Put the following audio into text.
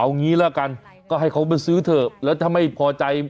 เอางี้ละกันก็ให้เขามาซื้อเถอะแล้วถ้าไม่พอใจ